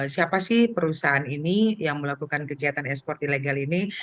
siapa sih perusahaan ini yang melakukan kegiatan ekspor ilegal ini